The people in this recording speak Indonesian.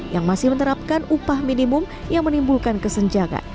yang masih menerapkan upah minimum yang menimbulkan kesenjangan